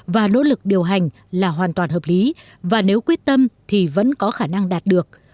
và nỗ lực điều hành là hoàn toàn hợp lý và nếu quyết tâm thì vẫn có khả năng đạt được